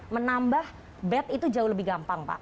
menambah bed itu jauh lebih gampang pak